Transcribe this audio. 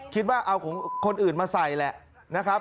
คิดว่าเอาของคนอื่นมาใส่แหละ